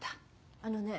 あのね